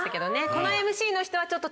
このＭＣの人はちょっと。